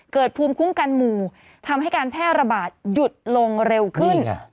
ภูมิคุ้มกันหมู่ทำให้การแพร่ระบาดหยุดลงเร็วขึ้น